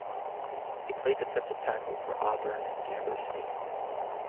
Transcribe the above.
He played defensive tackle for Auburn University.